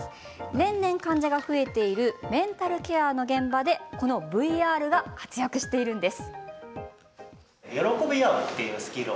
年々患者が増えているメンタルケアの現場でＶＲが活躍しているんです。